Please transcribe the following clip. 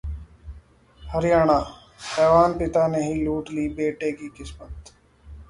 हरियाणाः हैवान पिता ने ही लूट ली बेटी की अस्मत